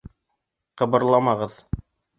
Ҡыбырламағыҙ!